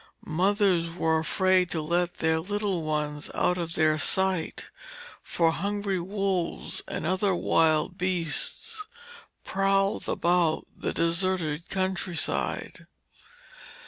Mothers were afraid to let their little ones out of their sight, for hungry wolves and other wild beasts prowled about the deserted countryside.